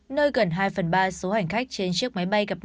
nơi gần hai phần ba số hành khách trên chiếc máy bay